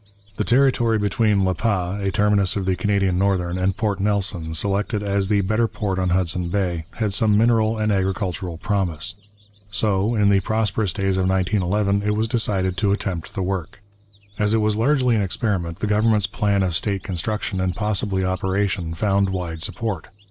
The territory between Le Pas, a terminus of the Canadian Northern, and Port Nelson, selected as the better port on Hudson Bay, had some mineral and agricultural promise. So, in the prosperous days of 1911, it was decided to attempt the work. As it was largely an experiment, the government's plan of state construction and possibly operation found wide support.